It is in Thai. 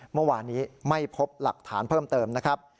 เมื่อวานนี้ไม่พบหลักฐานเพิ่มเติมนะครับ